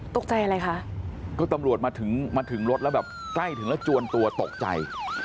ตกใจอะไรคะก็ตำรวจมาถึงมาถึงรถแล้วแบบใกล้ถึงแล้วจวนตัวตกใจ